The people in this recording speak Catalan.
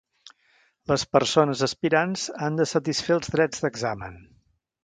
Les persones aspirants han de satisfer els drets d'examen.